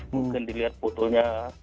mungkin dilihat fotonya